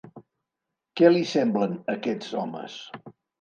Què li semblen aquests homes?